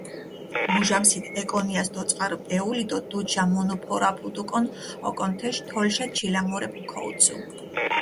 მუჟამსით ეკონიას დოწყარჷ პეული დო დუდშა მუნუფორაფუდუკონ ოკონ თეშ, თოლშა ჩილამურეფქ ქოუცუ.